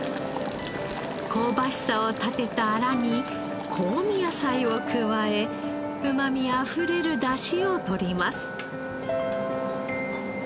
香ばしさを立てたアラに香味野菜を加えうまみあふれる出汁をとります。